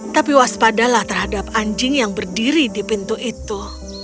tapi waspadalah terhadap anjing yang berdiri di pintu itu